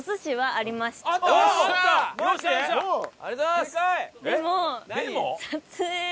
ありがとうございます！